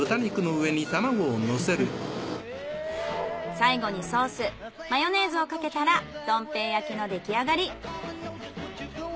最後にソースマヨネーズをかけたら豚平焼きの出来上がり。